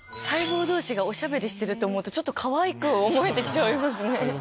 細胞どうしがおしゃべりしてると思うと、ちょっとかわいく思えてきちゃいますね。